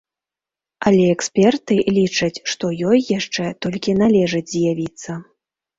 Але эксперты лічаць, што ёй яшчэ толькі належыць з'явіцца.